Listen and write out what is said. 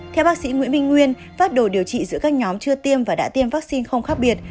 theo bác sĩ nguyễn minh nguyên pháp đồ điều trị giữa các nhóm chưa tiêm và đã tiêm vaccine không khác biệt